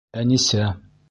Әнисә